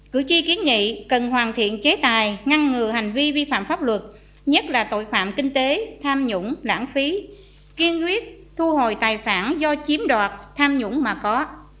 cử tri kiến nghị cần hoàn thiện chế tài ngăn ngừa hành vi vi phạm pháp luật nhất là tội phạm kinh tế tham nhũng lãng phí kiên quyết thu hồi tài sản do chiếm đoạt tham nhũng mà có